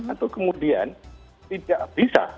atau kemudian tidak bisa